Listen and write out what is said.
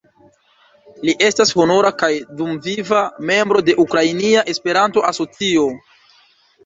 Li estas honora kaj dumviva membro de Ukrainia Esperanto-Asocio.